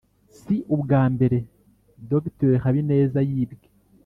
si ubwa mbere dr habineza yibwe